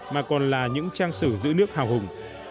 mà còn là những trang sử giữ nước hào hùng